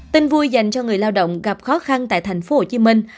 tin vui dành cho người lao động gặp khó khăn tại thành phố hồ chí minh